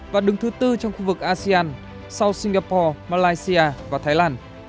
và đứng thứ bốn trong khu vực asean south singapore malaysia và thái lan